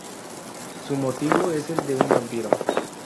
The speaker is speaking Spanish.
Su motivo es el de un vampiro.